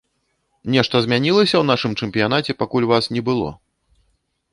Нешта змянілася ў нашым чэмпіянаце, пакуль вас не было?